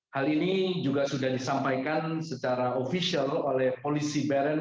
hal ini juga sudah disampaikan secara ofisial oleh polisi bern